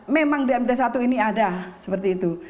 memang dmt satu ini ada seperti itu